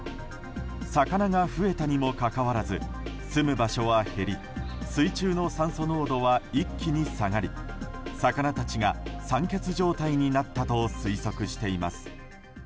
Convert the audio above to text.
魚が増えたにもかかわらず住む場所は減り水中の酸素濃度は一気に下がり魚たちが酸欠状態になったと推測しています。